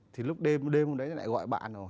thì lúc đêm hôm đấy lại gọi bạn